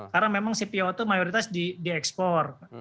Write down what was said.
karena memang cpo itu mayoritas di ekspor